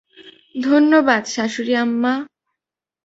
ধন্যবাদ শ্বাশুড়ি আম্মা।